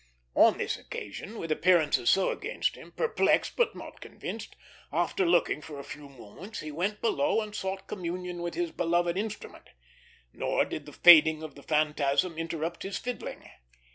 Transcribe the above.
On this occasion, with appearances so against him, perplexed but not convinced, after looking for a few moments he went below and sought communion with his beloved instrument; nor did the fading of the phantasm interrupt his fiddling.